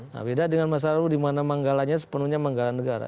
nah beda dengan masyarakat dimana manggalanya sepenuhnya manggalan negara